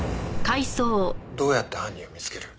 どうやって犯人を見つける？